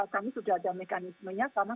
kami sudah ada mekanismenya karena